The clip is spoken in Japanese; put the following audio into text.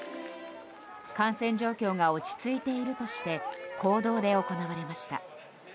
感染状況が落ち着いているとして公道で行われました。